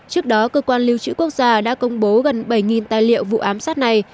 trước đó cơ quan lưu trữ quốc gia đã công bố gần bảy tài liệu vụ ám sát này